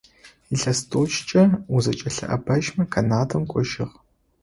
Илъэс тIокIкIэ узэкIэIэбэжьмэ Канадэм кIожьыгъ.